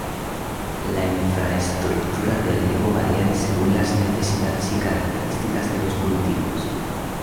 La infraestructura de riego varía según las necesidades y características de los cultivos.